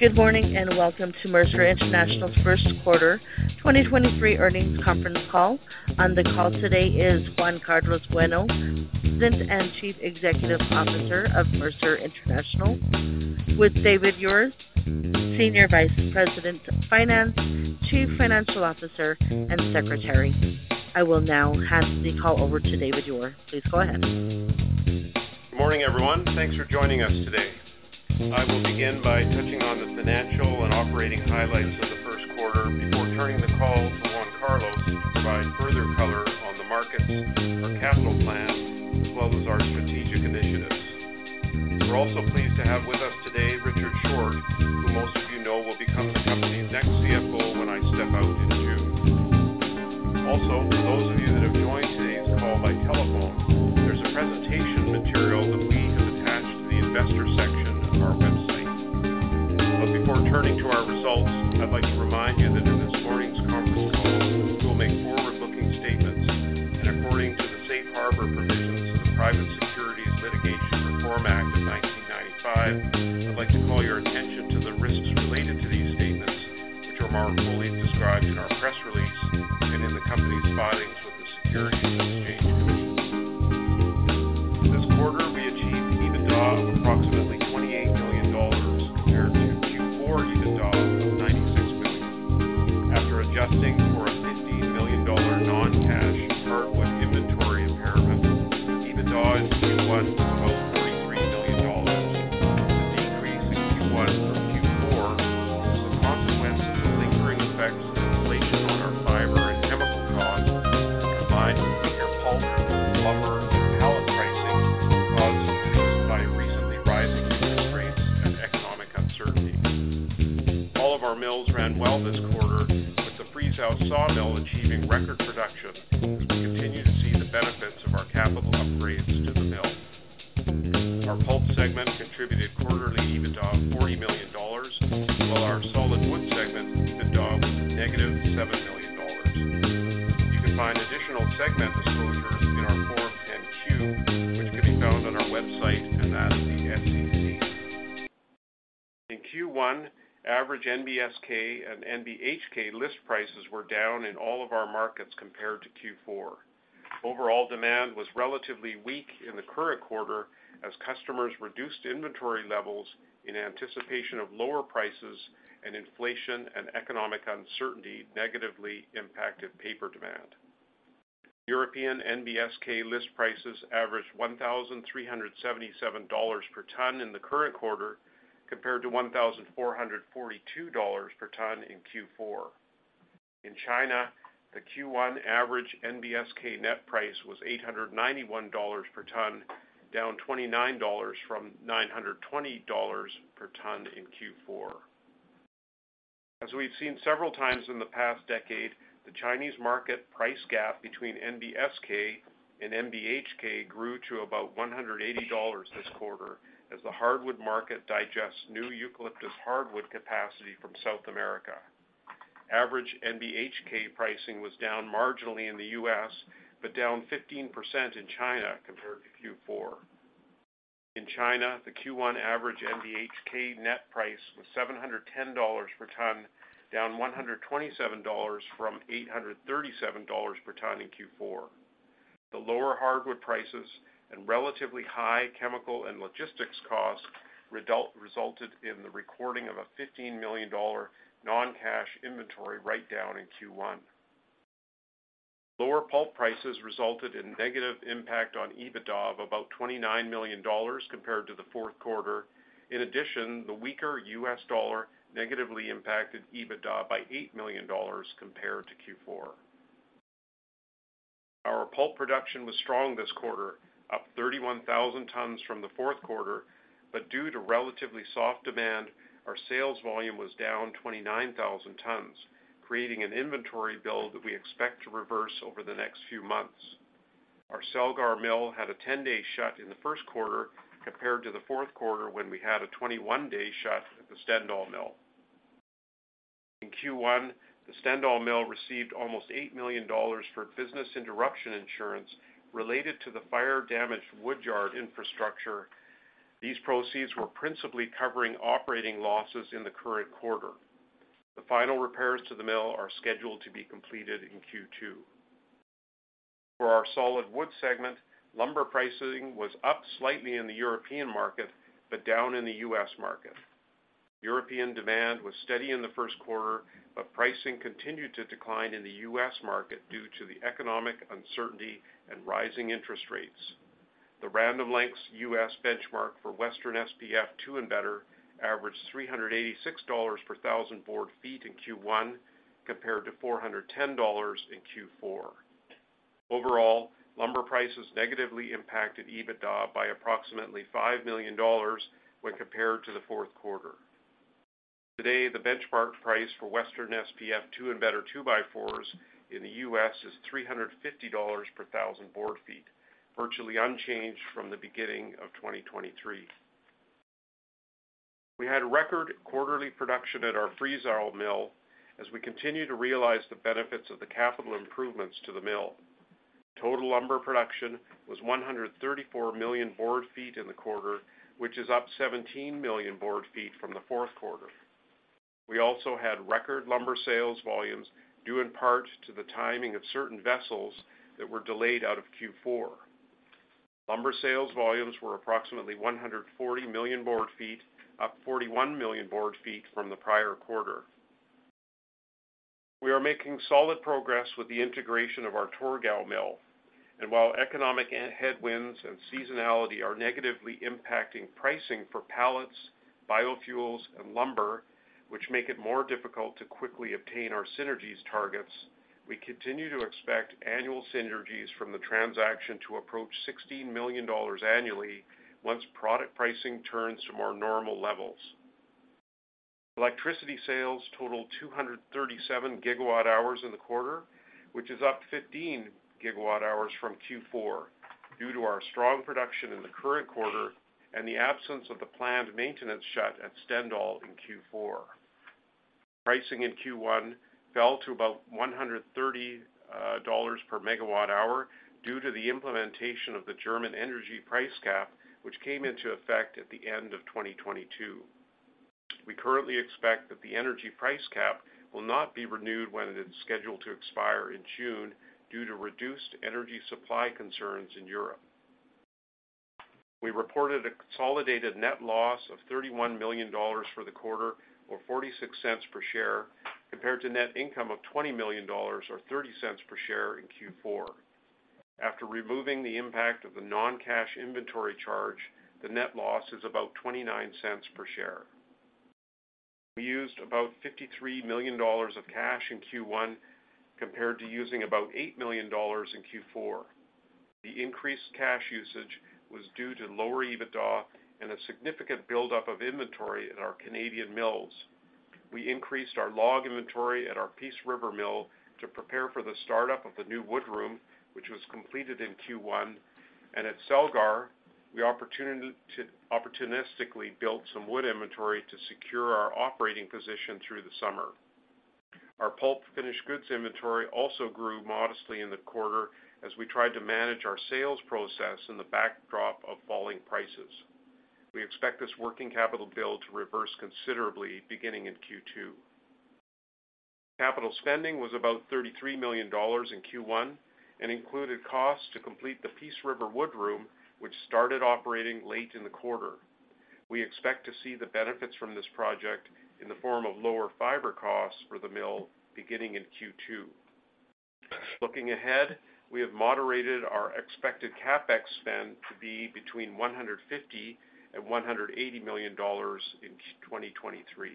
Good morning. Welcome to Mercer International's first quarter 2023 earnings conference call. On the call today is Juan Carlos Bueno, President and Chief Executive Officer of Mercer International, with David Ure, Senior Vice President of Finance, Chief Financial Officer, and Secretary. I will now pass the call over to David Ure. Please go ahead. Good morning, everyone. Thanks for joining us today. I will begin by touching on the financial and operating highlights of the first quarter before turning the call to Juan Carlos to provide further color on the markets, our capital plans, as well as our strategic initiatives. We're also pleased to have with us today Richard Short, who most of you know will become the company's next CFO when I step out in June. For those of you that have joined today's call by telephone, there's a presentation material that we have attached to the investor section of our website. Before list prices were down in all of our markets compared to Q4. Overall demand was relatively weak in the current quarter as customers reduced inventory levels in anticipation of lower prices and inflation and economic uncertainty negatively impacted paper demand. European NBSK list prices averaged $1,377 per ton in the current quarter compared to $1,442 per ton in Q4. In China, the Q1 average NBSK net price was $891 per ton, down $29 from $920 per ton in Q4. As we've seen several times in the past decade, the Chinese market price gap between NBSK and NBHK grew to about $180 this quarter as the hardwood market digests new eucalyptus hardwood capacity from South America. Average NBHK pricing was down marginally in the U.S., but down 15% in China compared to Q4. In China, the Q1 average NBHK net price was $710 per ton, down $127 from $837 per ton in Q4. The lower hardwood prices and relatively high chemical and logistics costs resulted in the recording of a $15 million non-cash inventory write-down in Q1. Lower pulp prices resulted in negative impact on EBITDA of about $29 million compared to the fourth quarter. In addition, the weaker US dollar negatively impacted EBITDA by $8 million compared to Q4. Our pulp production was strong this quarter, up 31,000 tons from the fourth quarter, but due to relatively soft demand, our sales volume was down 29,000 tons, creating an inventory build that we expect to reverse over the next few months. Our Celgar mill had a 10-day shut in the first quarter compared to the fourth quarter when we had a 21-day shut at the Stendal mill. In Q1, the Stendal mill received almost $8 million for business interruption insurance related to the fire-damaged woodyard infrastructure. These proceeds were principally covering operating losses in the current quarter. The final repairs to the mill are scheduled to be completed in Q2. For our solid wood segment, lumber pricing was up slightly in the European market, but down in the US market. European demand was steady in the first quarter, but pricing continued to decline in the US market due to the economic uncertainty and rising interest rates. The Random Lengths US benchmark for Western SPF 2 and better averaged $386 per 1,000 board feet in Q1 compared to $410 in Q4. Overall, lumber prices negatively impacted EBITDA by approximately $5 million when compared to the fourth quarter. Today, the benchmark price for Western SPF 2 and better 2-by-4's in the US is $350 per 1,000 board feet, virtually unchanged from the beginning of 2023. We had record quarterly production at our Friesau mill as we continue to realize the benefits of the capital improvements to the mill. Total lumber production was 134 million board feet in the quarter, which is up 17 million board feet from the fourth quarter. We also had record lumber sales volumes due in part to the timing of certain vessels that were delayed out of Q4. Lumber sales volumes were approximately 140 million board feet, up 41 million board feet from the prior quarter. We are making solid progress with the integration of our Torgau mill. While economic and headwinds and seasonality are negatively impacting pricing for pallets, biofuels, and lumber, which make it more difficult to quickly obtain our synergies targets, we continue to expect annual synergies from the transaction to approach $16 million annually once product pricing turns to more normal levels. Electricity sales totaled 237 GWh in the quarter, which is up 15 GWh from Q4 due to our strong production in the current quarter and the absence of the planned maintenance shut at Stendal in Q4. Pricing in Q1 fell to about $130 per MWh due to the implementation of the German energy price brake, which came into effect at the end of 2022. We currently expect that the energy price brake will not be renewed when it is scheduled to expire in June due to reduced energy supply concerns in Europe. We reported a consolidated net loss of $31 million for the quarter or $0.46 per share, compared to net income of $20 million or $0.30 per share in Q4. After removing the impact of the non-cash inventory charge, the net loss is about $0.29 per share. We used about $53 million of cash in Q1 compared to using about $8 million in Q4. The increased cash usage was due to lower EBITDA and a significant buildup of inventory in our Canadian mills. We increased our log inventory at our Peace River mill to prepare for the start-up of the new woodroom, which was completed in Q1. At Celgar, we opportunistically built some wood inventory to secure our operating position through the summer. Our pulp finished goods inventory also grew modestly in the quarter as we tried to manage our sales process in the backdrop of falling prices. We expect this working capital build to reverse considerably beginning in Q2. Capital spending was about $33 million in Q1 and included costs to complete the Peace River woodroom, which started operating late in the quarter. We expect to see the benefits from this project in the form of lower fiber costs for the mill beginning in Q2. Looking ahead, we have moderated our expected CapEx spend to be between $150 million and $180 million in 2023.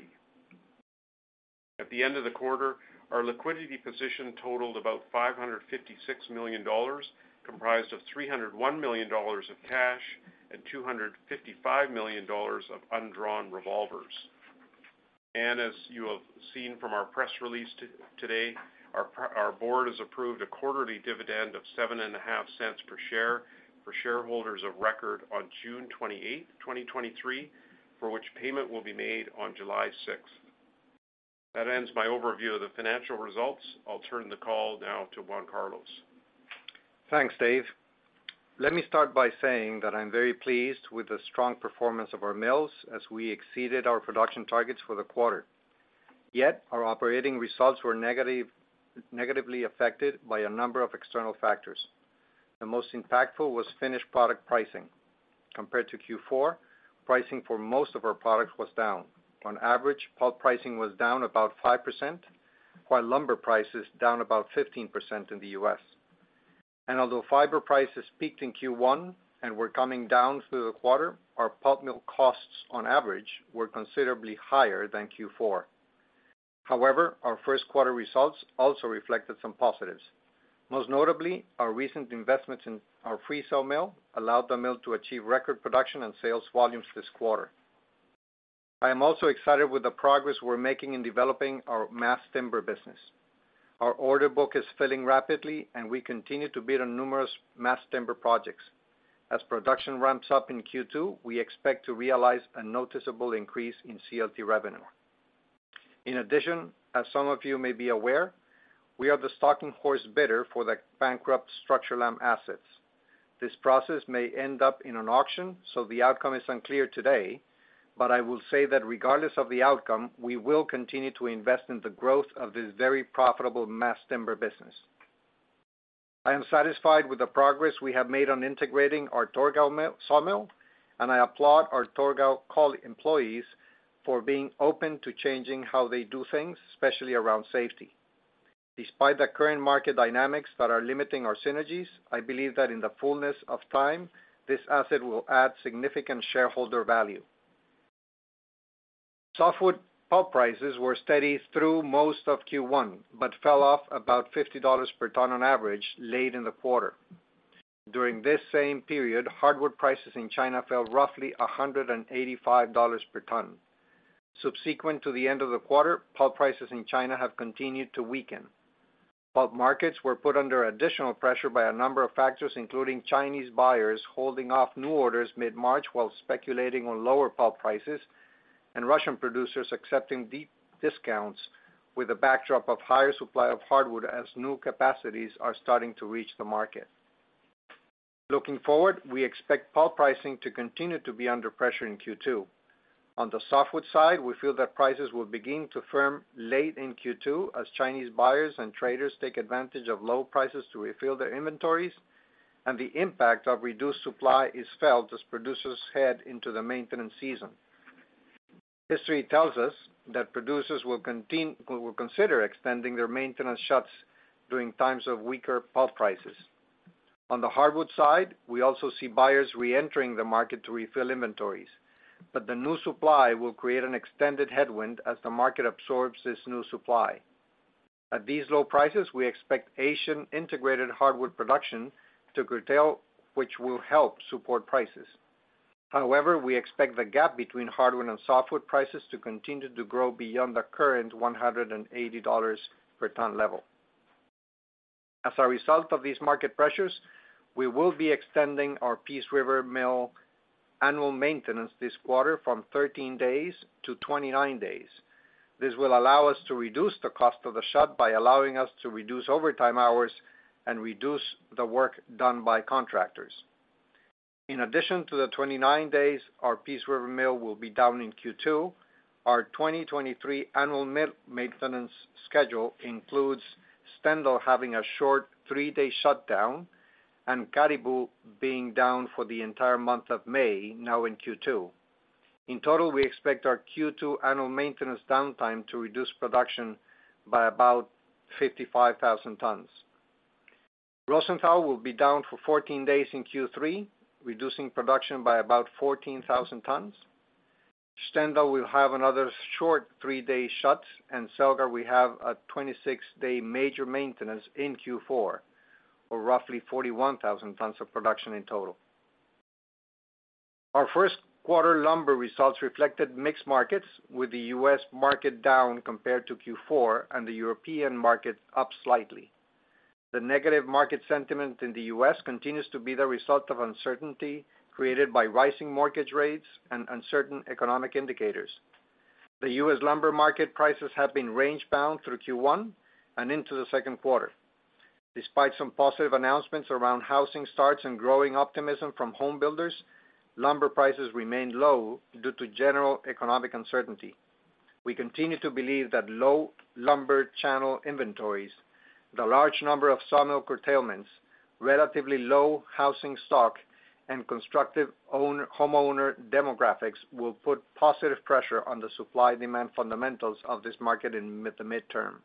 At the end of the quarter, our liquidity position totaled about $556 million, comprised of $301 million of cash and $255 million of undrawn revolvers. As you have seen from our press release today, our board has approved a quarterly dividend of seven and a half cents per share for shareholders of record on June 28, 2023, for which payment will be made on July 6. That ends my overview of the financial results. I'll turn the call now to Juan Carlos. Thanks, Dave. Let me start by saying that I'm very pleased with the strong performance of our mills as we exceeded our production targets for the quarter. Our operating results were negatively affected by a number of external factors. The most impactful was finished product pricing. Compared to Q4, pricing for most of our products was down. On average, pulp pricing was down about 5%, while lumber price is down about 15% in the U.S. Although fiber prices peaked in Q1 and were coming down through the quarter, our pulp mill costs on average were considerably higher than Q4. Our first quarter results also reflected some positives. Most notably, our recent investments in our Friesau mill allowed the mill to achieve record production and sales volumes this quarter. I am also excited with the progress we're making in developing our mass timber business. Our order book is filling rapidly, and we continue to bid on numerous mass timber projects. As production ramps up in Q2, we expect to realize a noticeable increase in CLT revenue. In addition, as some of you may be aware, we are the stalking horse bidder for the bankrupt Structurlam assets. This process may end up in an auction, so the outcome is unclear today. I will say that regardless of the outcome, we will continue to invest in the growth of this very profitable mass timber business. I am satisfied with the progress we have made on integrating our Torgau sawmill, and I applaud our Torgau employees for being open to changing how they do things, especially around safety. Despite the current market dynamics that are limiting our synergies, I believe that in the fullness of time, this asset will add significant shareholder value. Softwood pulp prices were steady through most of Q1, but fell off about $50 per ton on average late in the quarter. During this same period, hardwood prices in China fell roughly $185 per ton. Subsequent to the end of the quarter, pulp prices in China have continued to weaken. Pulp markets were put under additional pressure by a number of factors, including Chinese buyers holding off new orders mid-March while speculating on lower pulp prices. Russian producers accepting deep discounts with a backdrop of higher supply of hardwood as new capacities are starting to reach the market. Looking forward, we expect pulp pricing to continue to be under pressure in Q2. The softwood side, we feel that prices will begin to firm late in Q2 as Chinese buyers and traders take advantage of low prices to refill their inventories, and the impact of reduced supply is felt as producers head into the maintenance season. History tells us that producers will consider extending their maintenance shuts during times of weaker pulp prices. The hardwood side, we also see buyers reentering the market to refill inventories. The new supply will create an extended headwind as the market absorbs this new supply. At these low prices, we expect Asian integrated hardwood production to curtail, which will help support prices. However, we expect the gap between hardwood and softwood prices to continue to grow beyond the current $180 per ton level. As a result of these market pressures, we will be extending our Peace River mill annual maintenance this quarter from 13 days to 29 days. This will allow us to reduce the cost of the shut by allowing us to reduce overtime hours and reduce the work done by contractors. In addition to the 29 days, our Peace River mill will be down in Q2. Our 2023 annual mill maintenance schedule includes Stendal having a short 3-day shutdown and Cariboo being down for the entire month of May, now in Q2. In total, we expect our Q2 annual maintenance downtime to reduce production by about 55,000 tons. Rosenthal will be down for 14 days in Q3, reducing production by about 14,000 tons. Stendal will have another short 3-day shut, and Celgar we have a 26-day major maintenance in Q4, or roughly 41,000 tons of production in total. Our first quarter lumber results reflected mixed markets with the U.S. market down compared to Q4 and the European market up slightly. The negative market sentiment in the U.S. continues to be the result of uncertainty created by rising mortgage rates and uncertain economic indicators. The U.S. lumber market prices have been range bound through Q1 and into the second quarter. Despite some positive announcements around housing starts and growing optimism from home builders, lumber prices remain low due to general economic uncertainty. We continue to believe that low lumber channel inventories, the large number of sawmill curtailments, relatively low housing stock, and constructive homeowner demographics will put positive pressure on the supply-demand fundamentals of this market in the midterm.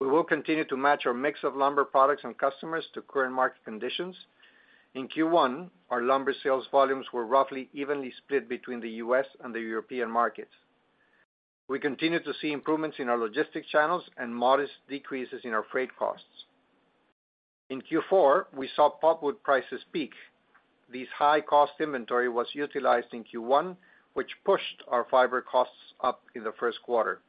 We will continue to match our mix of lumber products and customers to current market conditions. In Q1, our lumber sales volumes were roughly evenly split between the U.S. and the European markets. We continue to see improvements in our logistics channels and modest decreases in our freight costs. In Q4, we saw pulpwood prices peak. This high-cost inventory was utilized in Q1, which pushed our fiber costs up in the first quarter.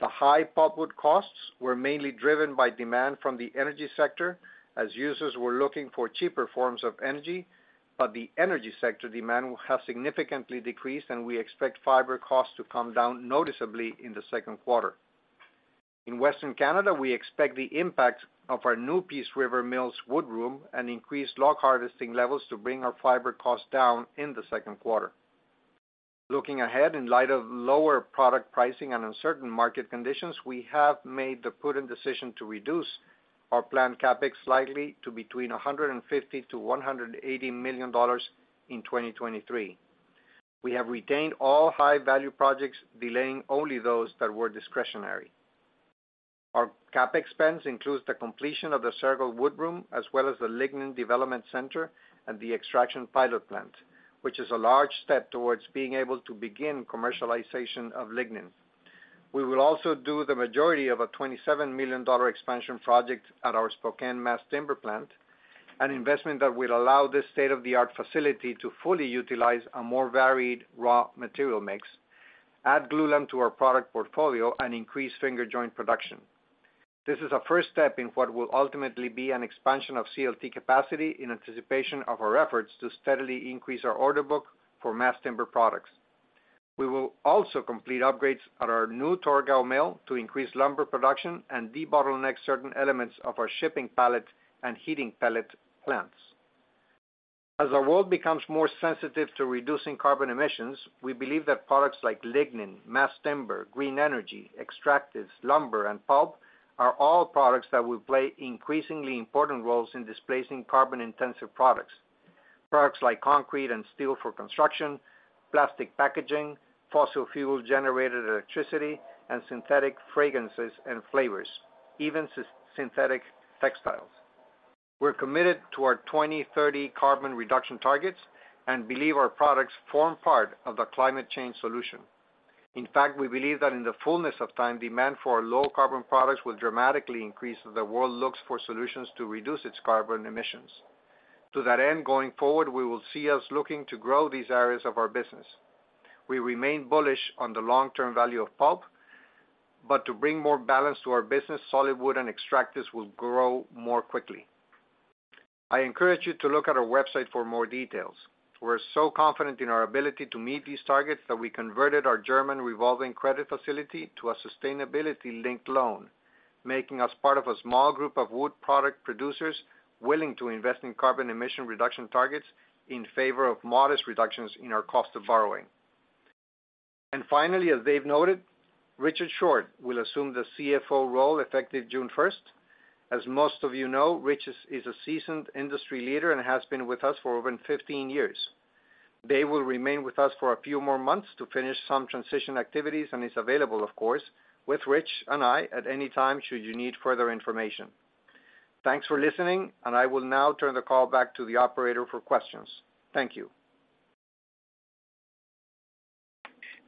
The high pulpwood costs were mainly driven by demand from the energy sector as users were looking for cheaper forms of energy, but the energy sector demand will have significantly decreased, and we expect fiber costs to come down noticeably in the second quarter. In Western Canada, we expect the impact of our new Peace River mill's woodroom and increased log harvesting levels to bring our fiber costs down in the second quarter. Looking ahead, in light of lower product pricing and uncertain market conditions, we have made the prudent decision to reduce our planned CapEx slightly to between $150 million-$180 million in 2023. We have retained all high-value projects, delaying only those that were discretionary. Our CapEx spends includes the completion of the Celgar woodroom as well as the Lignin Development Center and the extraction pilot plant, which is a large step towards being able to begin commercialization of lignin. We will also do the majority of a $27 million expansion project at our Spokane mass timber plant, an investment that will allow this state-of-the-art facility to fully utilize a more varied raw material mix, add glulam to our product portfolio, and increase finger joint production. This is a first step in what will ultimately be an expansion of CLT capacity in anticipation of our efforts to steadily increase our order book for mass timber products. We will also complete upgrades at our new Torgau mill to increase lumber production and debottleneck certain elements of our shipping pallet and heating pellet plants. As our world becomes more sensitive to reducing carbon emissions, we believe that products like lignin, mass timber, green energy, extractives, lumber, and pulp are all products that will play increasingly important roles in displacing carbon-intensive products. Products like concrete and steel for construction, plastic packaging, fossil fuel-generated electricity, and synthetic fragrances and flavors, even synthetic textiles. We're committed to our 2030 carbon reduction targets and believe our products form part of the climate change solution. In fact, we believe that in the fullness of time, demand for our low carbon products will dramatically increase as the world looks for solutions to reduce its carbon emissions. To that end, going forward, we will see us looking to grow these areas of our business. We remain bullish on the long-term value of pulp, but to bring more balance to our business, solid wood and extractives will grow more quickly. I encourage you to look at our website for more details. We're so confident in our ability to meet these targets that we converted our German revolving credit facility to a sustainability-linked loan, making us part of a small group of wood product producers willing to invest in carbon emission reduction targets in favor of modest reductions in our cost of borrowing. Finally, as Dave noted, Richard Short will assume the CFO role effective June first. As most of you know, Richard is a seasoned industry leader and has been with us for over 15 years. Dave will remain with us for a few more months to finish some transition activities and is available, of course, with Richard and I at any time should you need further information. Thanks for listening, and I will now turn the call back to the operator for questions. Thank you.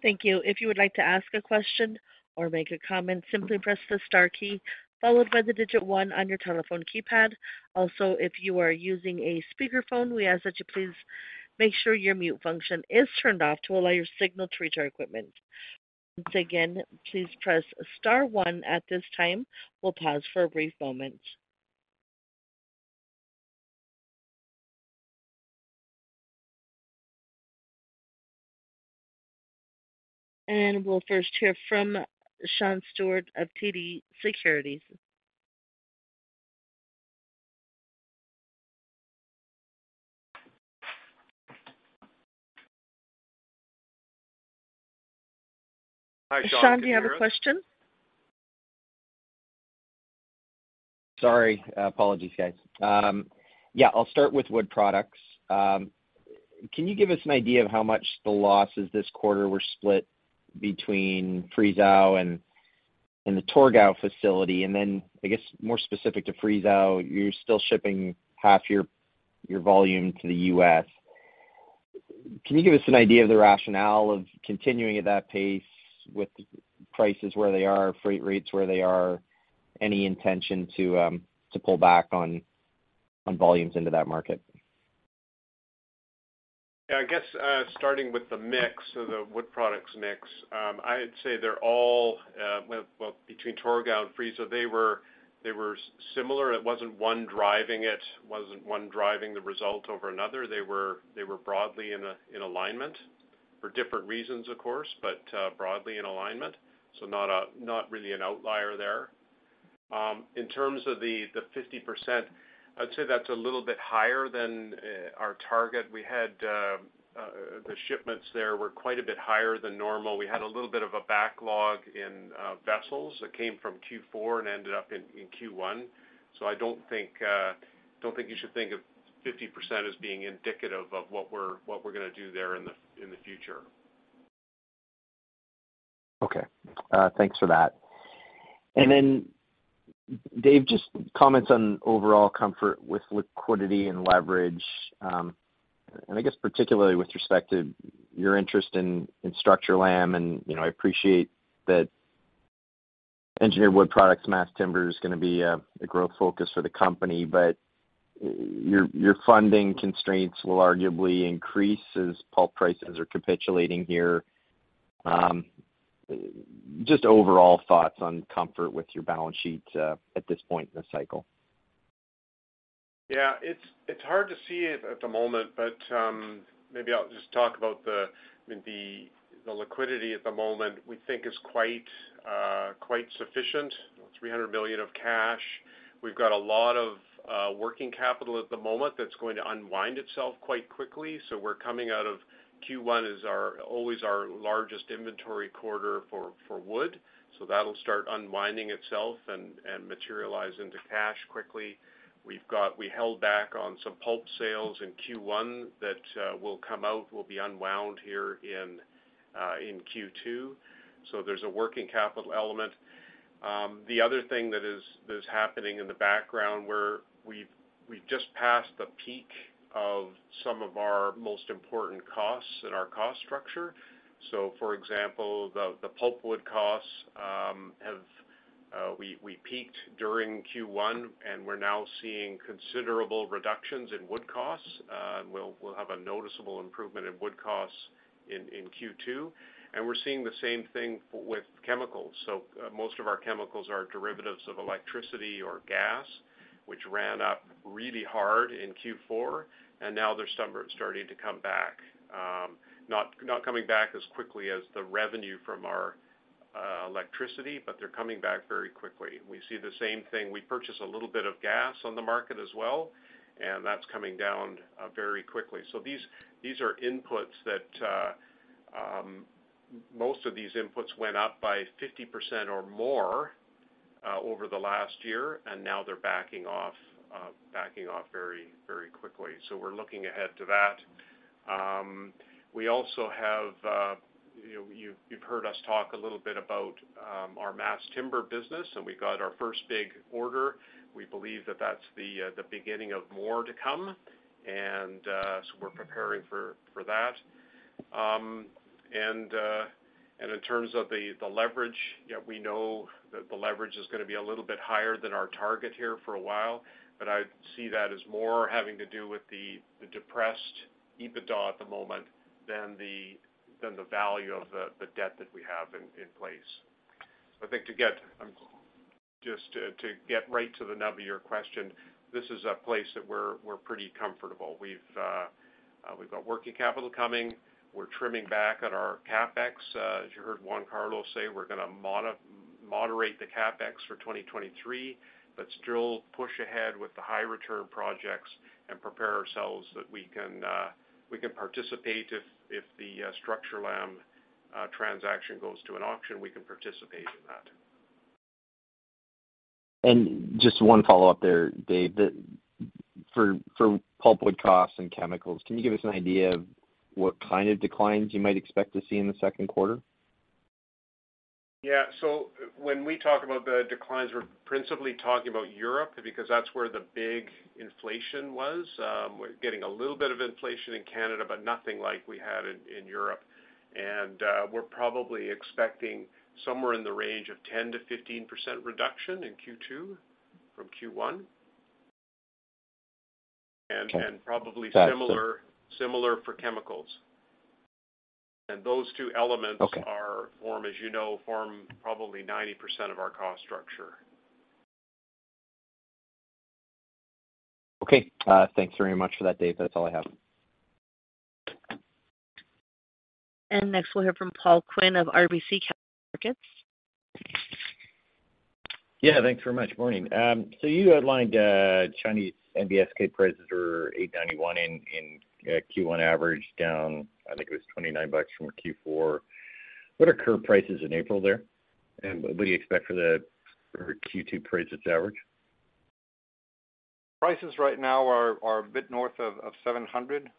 Thank you. If you would like to ask a question or make a comment, simply press the star key followed by the 1 on your telephone keypad. Also, if you are using a speakerphone, we ask that you please make sure your mute function is turned off to allow your signal to reach our equipment. Once again, please press star 1 at this time. We'll pause for a brief moment. We'll first hear from Sean Steuart of TD Securities. Hi, Sean. Can you hear us? Sean, do you have a question? Sorry. Apologies, guys. Yeah, I'll start with Wood Products. Can you give us an idea of how much the losses this quarter were split between Friesau and the Torgau facility? Then I guess more specific to Friesau, you're still shipping half your volume to the U.S. Can you give us an idea of the rationale of continuing at that pace with prices where they are, freight rates where they are? Any intention to pull back on volumes into that market? Yeah, I guess, starting with the mix, the Wood Products mix, I'd say they're all, well, between Torgau and Friesau, they were similar. It wasn't one driving the result over another. They were broadly in alignment for different reasons, of course, but broadly in alignment. Not really an outlier there. In terms of the 50%, I'd say that's a little bit higher than our target. We had the shipments there were quite a bit higher than normal. We had a little bit of a backlog in vessels that came from Q4 and ended up in Q1. I don't think you should think of 50% as being indicative of what we're gonna do there in the future. Okay. Thanks for that. Dave, just comments on overall comfort with liquidity and leverage, and I guess particularly with respect to your interest in Structurlam, and, you know, I appreciate that engineered wood products, mass timber is gonna be a growth focus for the company. Your funding constraints will arguably increase as pulp prices are capitulating here. Just overall thoughts on comfort with your balance sheets at this point in the cycle. Yeah, it's hard to see it at the moment, but maybe I'll just talk about the, I mean, the liquidity at the moment we think is quite sufficient, $300 million of cash. We've got a lot of working capital at the moment that's going to unwind itself quite quickly. We're coming out of Q1 always our largest inventory quarter for wood, so that'll start unwinding itself and materialize into cash quickly. We held back on some pulp sales in Q1 that will come out, will be unwound here in Q2. There's a working capital element. The other thing that is happening in the background where we've just passed the peak of some of our most important costs in our cost structure. For example, the pulpwood costs peaked during Q1, and we're now seeing considerable reductions in wood costs. We'll have a noticeable improvement in wood costs in Q2. We're seeing the same thing with chemicals. Most of our chemicals are derivatives of electricity or gas, which ran up really hard in Q4, and now they're starting to come back. Not coming back as quickly as the revenue from our electricity, they're coming back very quickly. We see the same thing. We purchase a little bit of gas on the market as well, and that's coming down very quickly. These are inputs that most of these inputs went up by 50% or more over the last year, and now they're backing off very, very quickly. We're looking ahead to that. We also have you've heard us talk a little bit about our mass timber business, and we got our first big order. We believe that that's the beginning of more to come. We're preparing for that. In terms of the leverage, yeah, we know that the leverage is gonna be a little bit higher than our target here for a while. I see that as more having to do with the depressed EBITDA at the moment than the value of the debt that we have in place. I think to get right to the nub of your question, this is a place that we're pretty comfortable. We've got working capital coming. We're trimming back on our CapEx. As you heard Juan Carlos say, we're gonna moderate the CapEx for 2023, but still push ahead with the high return projects and prepare ourselves that we can participate if the Structurlam transaction goes to an auction, we can participate in that. Just one follow-up there, Dave. For pulpwood costs and chemicals, can you give us an idea of what kind of declines you might expect to see in the second quarter? Yeah. When we talk about the declines, we're principally talking about Europe because that's where the big inflation was. We're getting a little bit of inflation in Canada, but nothing like we had in Europe. We're probably expecting somewhere in the range of 10%-15% reduction in Q2 from Q1. Okay. Probably similar for chemicals. Those 2 elements- Okay. -are form, as you know, form probably 90% of our cost structure. Okay. Thanks very much for that, Dave. That's all I have. Next, we'll hear from Paul Quinn of RBC Capital Markets. Yeah, thanks very much. Morning. You outlined, Chinese NBSK prices are $891 in Q1 average down, I think it was $29 from a Q4. What are current prices in April there? What do you expect for the Q2 prices average? Prices right now are a bit north of $700,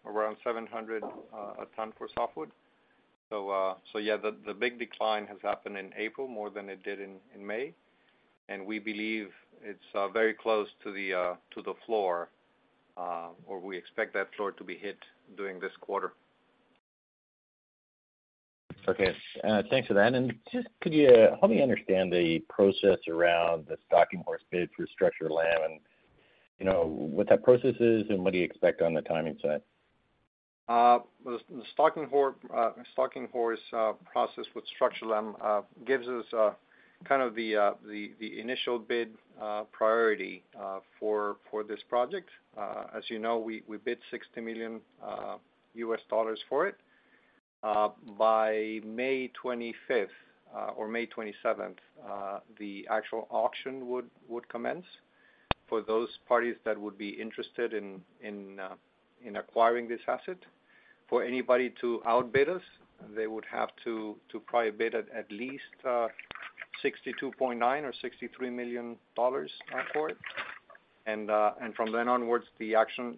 around $700 a ton for softwood. Yeah, the big decline has happened in April more than it did in May. We believe it's very close to the to the floor, or we expect that floor to be hit during this quarter. Okay. Thanks for that. Just could you help me understand the process around the stalking horse bid for Structurlam and, you know, what that process is and what do you expect on the timing side? The stalking horse process with Structurlam gives us kind of the initial bid priority for this project. As you know, we bid $60 million for it. By May 25th or May 27th, the actual auction would commence for those parties that would be interested in acquiring this asset. For anybody to outbid us, they would have to probably bid at least $62.9 or $63 million for it. From then onwards, the auction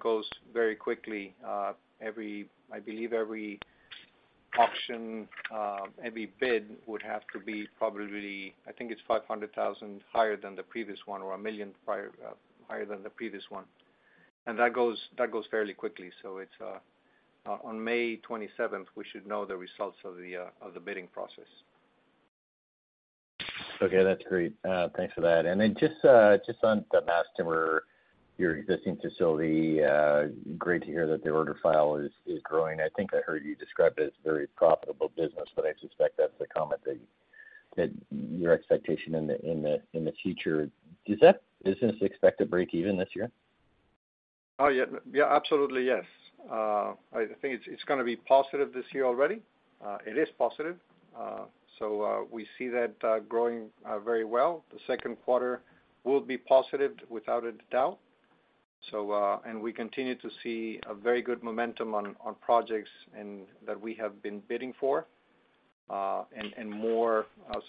goes very quickly. I believe every auction, every bid would have to be probably, I think it's 500,000 higher than the previous one or 1 million prior higher than the previous one. That goes fairly quickly. It's on May 27th, we should know the results of the bidding process. Okay, that's great. Thanks for that. Just on the mass timber, your existing facility, great to hear that the order file is growing. I think I heard you describe it as very profitable business, but I suspect that's the comment that your expectation in the future. Does that business expect to break even this year? Oh, yeah. Yeah, absolutely, yes. I think it's gonna be positive this year already. It is positive. We see that growing very well. The second quarter will be positive without a doubt. We continue to see a very good momentum on projects and that we have been bidding for, and more,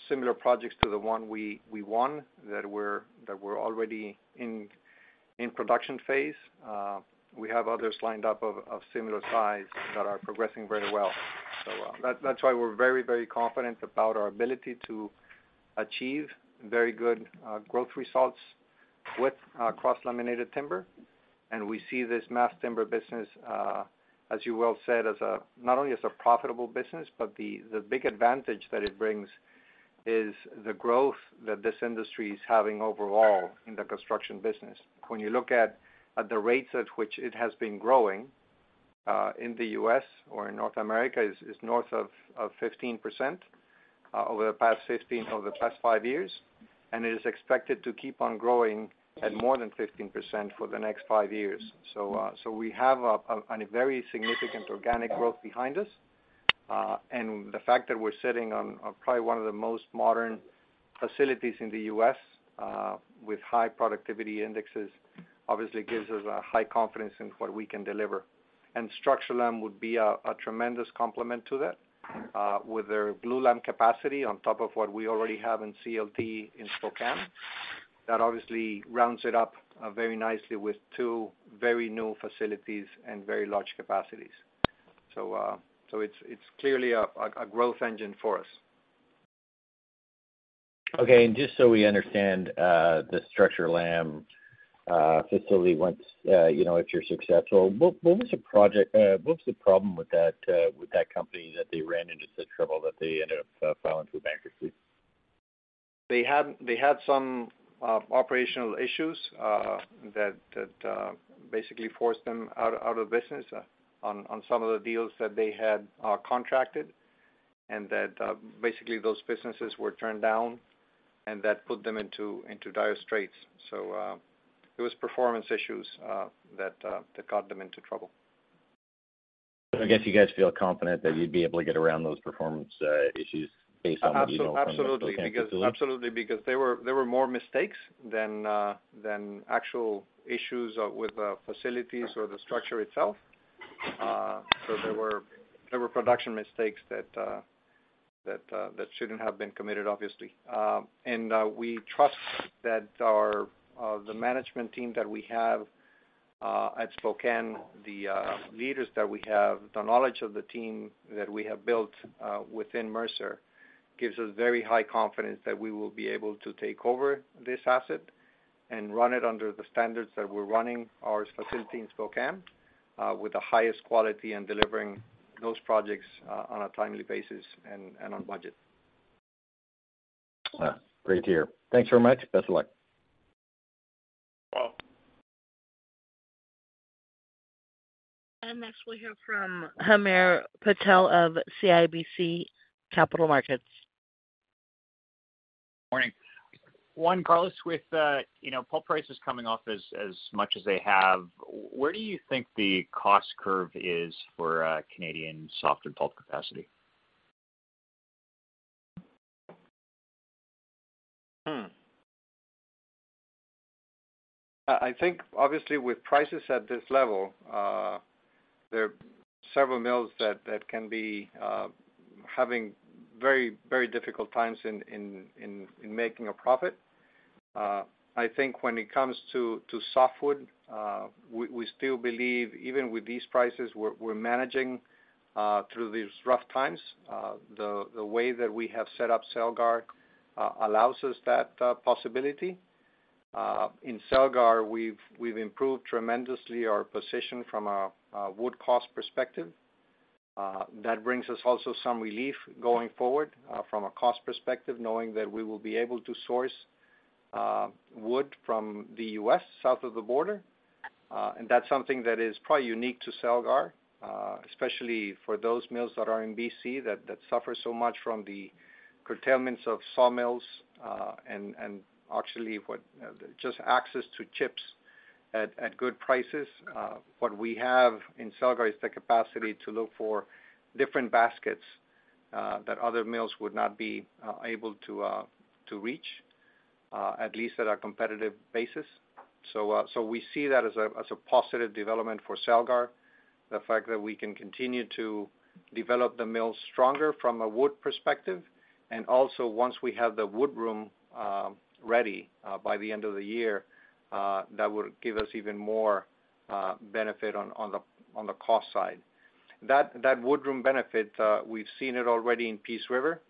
similar projects to the one we won that were already in production phase. We have others lined up of similar size that are progressing very well. That's why we're very, very confident about our ability to achieve very good growth results with cross-laminated timber. We see this mass timber business, as you well said, as not only as a profitable business, but the big advantage that it brings is the growth that this industry is having overall in the construction business. When you look at the rates at which it has been growing in the U.S. or in North America is north of 15% over the past 5 years, and it is expected to keep on growing at more than 15% for the next 5 years. We have a very significant organic growth behind us. The fact that we're sitting on probably one of the most modern facilities in the U.S., with high productivity indexes obviously gives us a high confidence in what we can deliver. Structurlam would be a tremendous complement to that, with their glulam capacity on top of what we already have in CLT in Spokane. That obviously rounds it up very nicely with 2 very new facilities and very large capacities. It's clearly a growth engine for us. Okay. Just so we understand, the Structurlam facility once, you know, if you're successful, what was the problem with that company that they ran into such trouble that they ended up filing for bankruptcy? They had some operational issues that basically forced them out of business on some of the deals that they had contracted. That basically those businesses were turned down, and that put them into dire straits. It was performance issues that got them into trouble. I guess you guys feel confident that you'd be able to get around those performance issues based on what you know from the Spokane facility? Absolutely. They were more mistakes than actual issues with the facilities or the structure itself. There were production mistakes that shouldn't have been committed, obviously. We trust that the management team that we have at Spokane, the leaders that we have, the knowledge of the team that we have built within Mercer gives us very high confidence that we will be able to take over this asset and run it under the standards that we're running our facility in Spokane with the highest quality and delivering those projects on a timely basis and on budget. Great to hear. Thanks very much. Best of luck. You're welcome. Next we hear from Hamir Patel of CIBC Capital Markets. Morning. Juan Carlos, with, you know, pulp prices coming off as much as they have, where do you think the cost curve is for Canadian softwood pulp capacity? I think obviously with prices at this level, there are several mills that can be having very, very difficult times in making a profit. I think when it comes to softwood, we still believe even with these prices, we're managing through these rough times. The way that we have set up Celgar allows us that possibility. In Celgar, we've improved tremendously our position from a wood cost perspective. That brings us also some relief going forward from a cost perspective, knowing that we will be able to source wood from the US, south of the border. That's something that is probably unique to Celgar, especially for those mills that are in BC that suffer so much from the curtailments of sawmills. actually just access to chips at good prices. What we have in Celgar is the capacity to look for different baskets that other mills would not be able to reach at least at a competitive basis. We see that as a positive development for Celgar, the fact that we can continue to develop the mills stronger from a wood perspective. Also once we have the woodroom ready by the end of the year, that will give us even more benefit on the cost side. That woodroom benefit, we've seen it already in Peace River.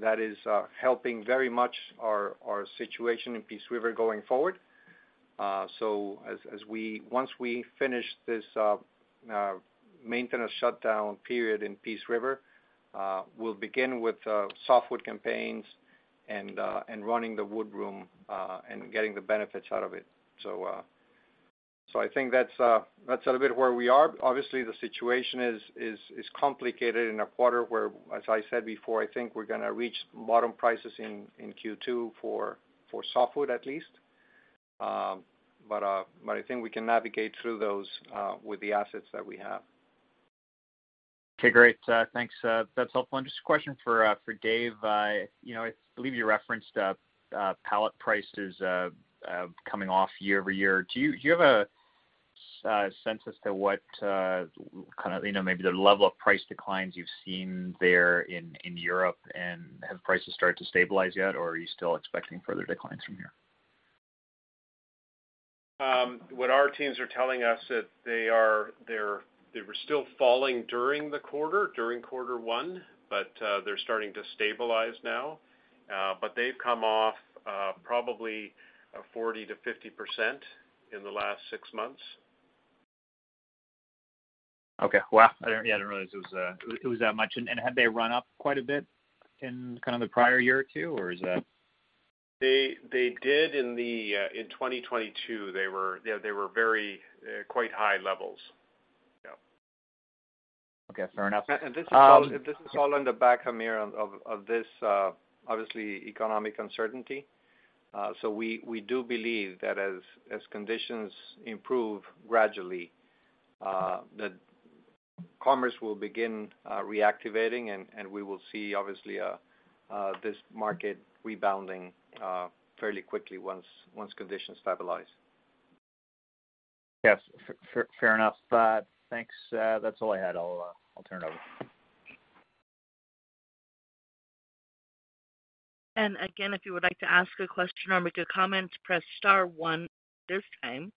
That is helping very much our situation in Peace River going forward. Once we finish this maintenance shutdown period in Peace River, we'll begin with softwood campaigns and running the woodroom and getting the benefits out of it. I think that's a little bit where we are. Obviously, the situation is complicated in a quarter where, as I said before, I think we're gonna reach bottom prices in Q2 for softwood at least. I think we can navigate through those with the assets that we have. Okay, great. Thanks. That's helpful. Just a question for Dave. You know, I believe you referenced pellet prices coming off year-over-year. Do you have a sense as to what kind of, you know, maybe the level of price declines you've seen there in Europe? Have prices started to stabilize yet, or are you still expecting further declines from here? What our teams are telling us that they were still falling during the quarter, during quarter one, but they're starting to stabilize now. They've come off, probably, 40%-50% in the last 6 months. Okay. Wow. Yeah, I didn't realize it was that much. Had they run up quite a bit in kind of the prior year or two, or is that... They did in the in 2022. They were very quite high levels. Yeah. Okay, fair enough. This is all on the back, Hamir, of this obviously economic uncertainty. We do believe that as conditions improve gradually, that commerce will begin reactivating and we will see obviously this market rebounding fairly quickly once conditions stabilize. Yes. Fair, fair enough. Thanks. That's all I had. I'll turn it over. Again, if you would like to ask a question or make a comment, press star 1 at this time.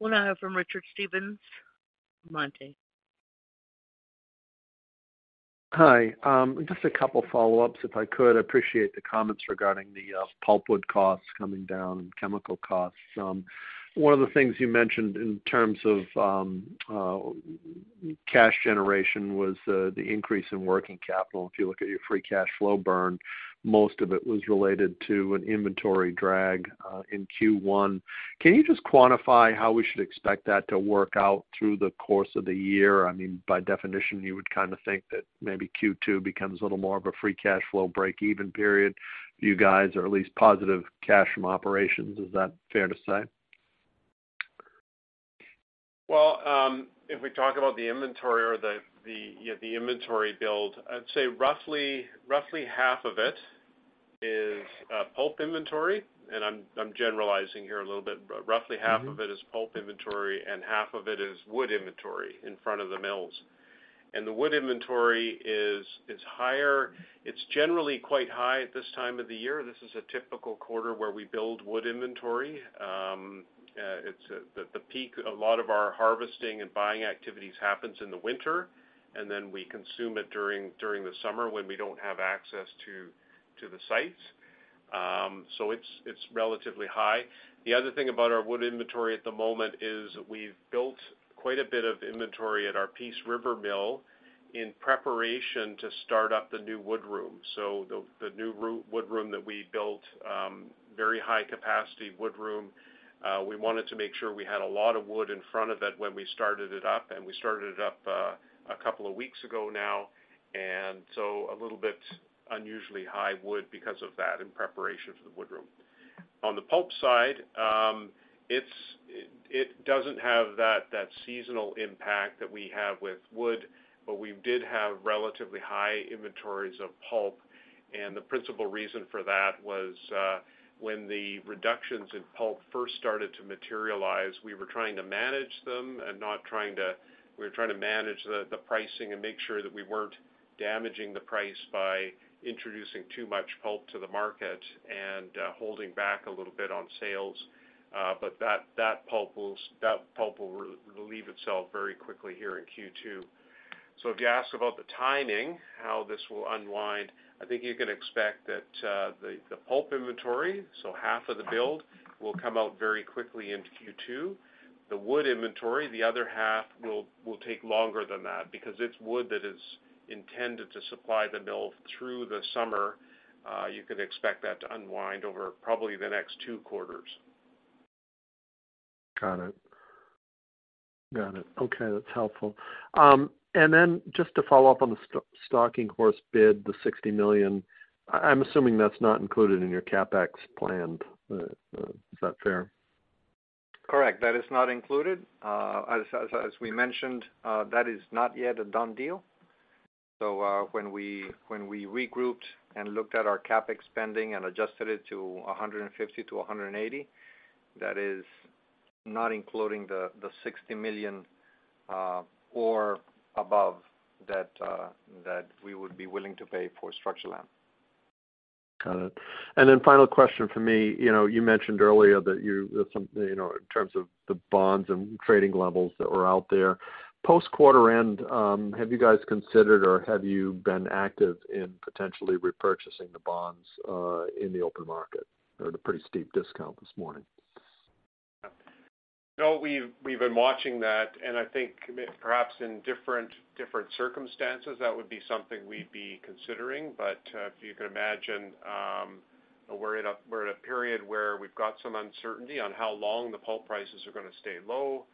We'll now hear from Richard Stevens, Mondrian. Hi. Just a couple follow-ups, if I could. Appreciate the comments regarding the pulpwood costs coming down and chemical costs. One of the things you mentioned in terms of cash generation was the increase in working capital. If you look at your free cash flow burn, most of it was related to an inventory drag in Q1. Can you just quantify how we should expect that to work out through the course of the year? I mean, by definition, you would kinda think that maybe Q2 becomes a little more of a free cash flow break-even period for you guys, or at least positive cash from operations. Is that fair to say? If we talk about the inventory or the inventory build, I'd say roughly half of it is pulp inventory, and I'm generalizing here a little bit, but roughly half. Mm-hmm. of it is pulp inventory and half of it is wood inventory in front of the mills. The wood inventory is higher. It's generally quite high at this time of the year. This is a typical quarter where we build wood inventory. It's a lot of our harvesting and buying activities happens in the winter, and then we consume it during the summer when we don't have access to the sites. It's relatively high. The other thing about our wood inventory at the moment is we've built quite a bit of inventory at our Peace River mill in preparation to start up the new woodroom. The new woodroom that we built, very high capacity woodroom, we wanted to make sure we had a lot of wood in front of it when we started it up, and we started it up a couple of weeks ago now. A little bit unusually high wood because of that in preparation for the woodroom. On the pulp side, it doesn't have that seasonal impact that we have with wood, but we did have relatively high inventories of pulp. The principal reason for that was, when the reductions in pulp first started to materialize, we were trying to manage them and we were trying to manage the pricing and make sure that we weren't damaging the price by introducing too much pulp to the market and holding back a little bit on sales. That pulp will relieve itself very quickly here in Q2. If you ask about the timing, how this will unwind, I think you can expect that the pulp inventory, so half of the build, will come out very quickly into Q2. The wood inventory, the other half, will take longer than that because it's wood that is intended to supply the mill through the summer. You can expect that to unwind over probably the next 2 quarters. Got it. Got it. Okay, that's helpful. Just to follow up on the stalking horse bid, the $60 million, I'm assuming that's not included in your CapEx plan. Is that fair? Correct. That is not included. As we mentioned, that is not yet a done deal. When we regrouped and looked at our CapEx spending and adjusted it to $150 million-$180 million, that is not including the $60 million or above that we would be willing to pay for Structurlam. Got it. Then final question for me. You know, you mentioned earlier that you know, in terms of the bonds and trading levels that were out there. Post quarter end, have you guys considered or have you been active in potentially repurchasing the bonds in the open market? They're at a pretty steep discount this morning. No, we've been watching that, and I think perhaps in different circumstances, that would be something we'd be considering. If you can imagine, we're in a period where we've got some uncertainty on how long the pulp prices are gonna stay low.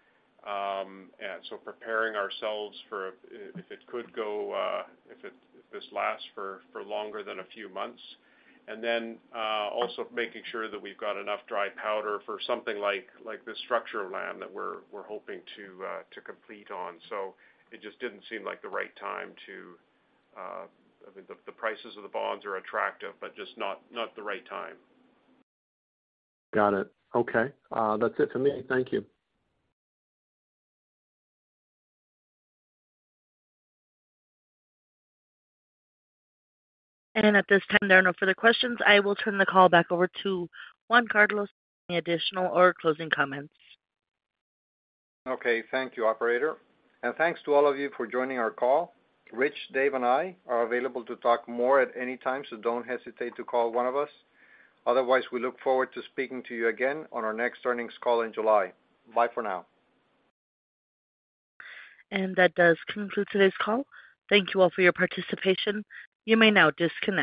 Also making sure that we've got enough dry powder for something like this Structurlam that we're hoping to complete on. It just didn't seem like the right time to... I mean, the prices of the bonds are attractive, but just not the right time. Got it. Okay. That's it for me. Thank you. At this time, there are no further questions. I will turn the call back over to Juan Carlos for any additional or closing comments. Okay. Thank you, operator. Thanks to all of you for joining our call. Rich, Dave, and I are available to talk more at any time, so don't hesitate to call one of us. Otherwise, we look forward to speaking to you again on our next earnings call in July. Bye for now. That does conclude today's call. Thank you all for your participation. You may now disconnect.